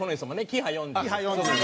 キハ４０。